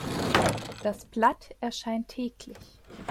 Das Blatt erscheint täglich.